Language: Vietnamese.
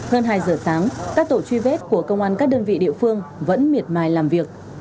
hơn hai giờ sáng các tổ truy vết của công an các đơn vị địa phương vẫn miệt mài làm việc